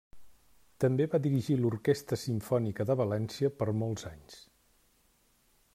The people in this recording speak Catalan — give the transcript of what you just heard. També va dirigir l'Orquestra Simfònica de València per molts anys.